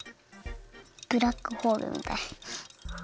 ブラックホールみたい。